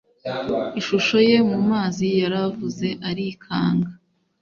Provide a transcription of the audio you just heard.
ishusho ye mumazi yaravuze arikanga